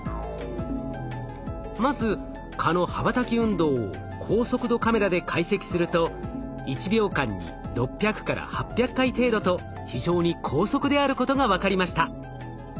まず蚊の羽ばたき運動を高速度カメラで解析すると１秒間に６００８００回程度と非常に高速であることが分かりました。